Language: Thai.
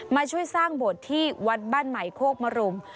มาช่วยสร้างโบสถ์ที่วัดบ้านใหม่โคกมรุม